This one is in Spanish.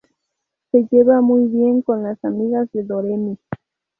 Se lleva muy bien con las amigas de Doremi.